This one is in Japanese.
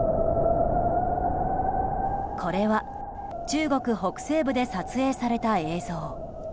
これは中国北西部で撮影された映像。